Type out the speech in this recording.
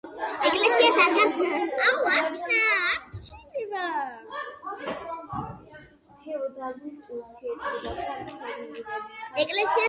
ეკლესიას ადგას გუმბათი, ხოლო მოგვიანებით სიმეტრიულად მიაშენეს ეგვტერები.